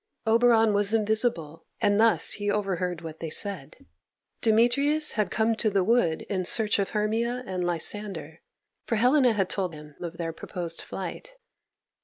Oberon was invisible, and thus he overheard what they said. Demetrius had come to the wood in search of Hermia and Lysander, for Helena had told him of their proposed flight.